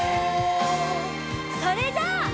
それじゃあ。